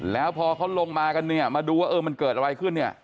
แล้วพอเขาลงมากันมาดูว่าเออมันเกิดอะไรขึ้น